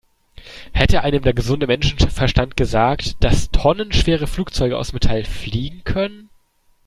Hätte einem der gesunde Menschenverstand gesagt, dass tonnenschwere Flugzeuge aus Metall fliegen können?